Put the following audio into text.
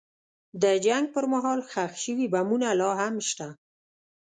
د جنګ پر مهال ښخ شوي بمونه لا هم شته.